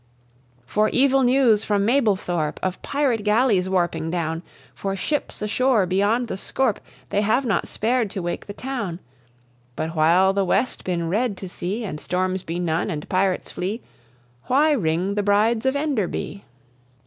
"For evil news from Mablethorpe, Of pyrate galleys warping down; For shippes ashore beyond the scorpe, They have not spar'd to wake the towne: But while the west bin red to see, And storms be none, and pyrates flee, Why ring 'The Brides of Enderby'?"